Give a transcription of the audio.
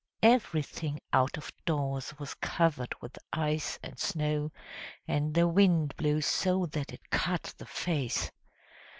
Everything out of doors was covered with ice and snow, and the wind blew so that it cut the face.